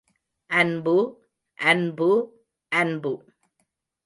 அன்பு, அன்பு, அன்பு!